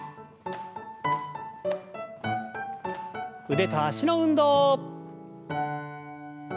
腕と脚の運動。